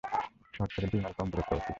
শহর থেকে দুই মাইল কম দূরত্বে অবস্থিত।